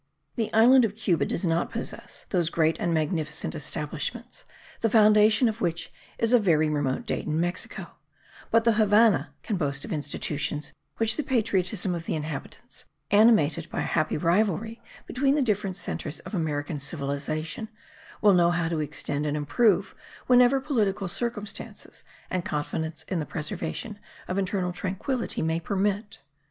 The island of Cuba does not possess those great and magnificent establishments the foundation of which is of very remote date in Mexico; but the Havannah can boast of institutions which the patriotism of the inhabitants, animated by a happy rivalry between the different centres of American civilization, will know how to extend and improve whenever political circumstances and confidence in the preservation of internal tranquillity may permit.